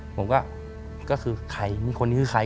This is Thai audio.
ผมก็คือใครมีคนนี้คือใคร